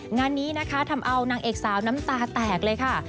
งานนี้นะคะทำเอานางเอกสาวน้ำตาแตกเลยค่ะ